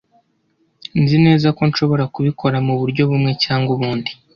Nzi neza ko nshobora kubikora muburyo bumwe cyangwa ubundi.